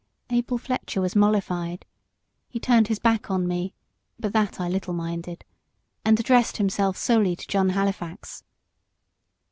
Abel Fletcher was mollified. He turned his back on me but that I little minded and addressed himself solely to John Halifax.